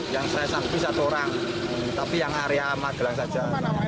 yang stress up bisa satu orang tapi yang area magelang saja